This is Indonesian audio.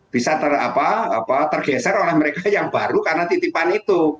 bisa tergeser oleh mereka yang baru karena titipan itu